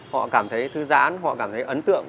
họ cảm thấy thư giãn họ cảm thấy ấn tượng